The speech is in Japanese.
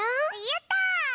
やった！